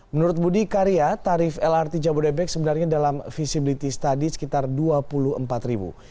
menurut budi karya tarif lrt jabodebek sebenarnya dalam visibility study sekitar dua puluh empat ribu